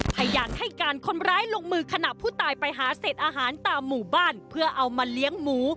พยานให้การคนร้ายลงมือขณะผู้ตายไปหาเศษอาหารตามหมู่บ้านเพื่อเอามาเลี้ยงหมู